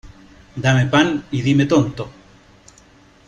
Dame pan, y dime tonto.